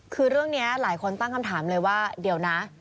คือเรื่องนี้หลายคนตั้งคำถามเลยว่าเดี๋ยวนะ